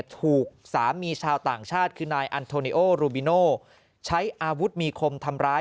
ถูกสามีชาวต่างชาติคือนายอันโทนิโอรูบิโนใช้อาวุธมีคมทำร้าย